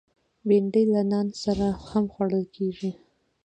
بېنډۍ له نان سره هم خوړل کېږي